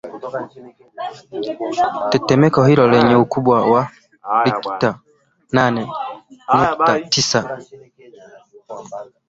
tetemeko hilo lenye ukubwa wa richta nane nukta tisa